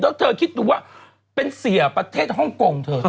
แล้วเธอคิดดูว่าเป็นเสียประเทศฮ่องกงเธอ